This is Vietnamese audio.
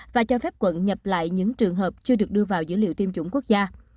và cho phép quận nhập lại những trường hợp chưa được đưa vào dữ liệu tiêm chủng quốc gia